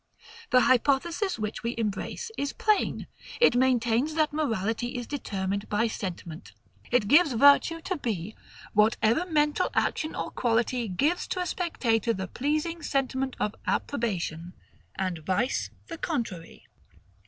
The hypothesis which we embrace is plain. It maintains that morality is determined by sentiment. It defines virtue to be WHATEVER MENTAL ACTION OR QUALITY GIVES TO A SPECTATOR THE PLEASING SENTIMENT OF APPROBATION; and vice the contrary.